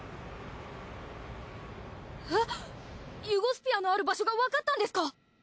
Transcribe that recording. ユゴスピアのある場所がわかったんですか！？